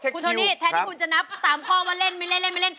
อ๋อเช็คคิวครับคุณโทนี่แทนที่คุณจะนับตามข้อว่าเล่นไม่เล่น